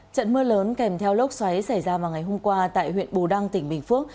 trận mưa lớn kèm theo lốc xoáy xảy ra vào ngày hôm qua tại huyện bù đăng tỉnh bình phước